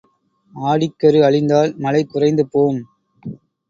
ஆடிக்கரு அழிந்தால் மழை குறைந்து போம்.